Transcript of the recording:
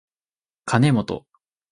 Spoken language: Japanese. かねもと